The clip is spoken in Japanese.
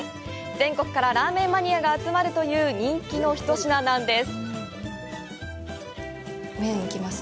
全国からラーメンマニアが集まるという人気の一品なんです。